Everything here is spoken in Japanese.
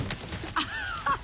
アハハハ。